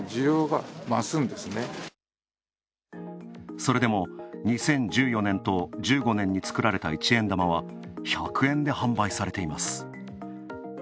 それでも２０１４年と２０１５年に作られた一円玉は、１００円で販売されています。